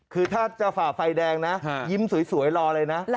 คือถ้าจะฝ่าไฟแดงนะยิ้มสวยรอเลยนะ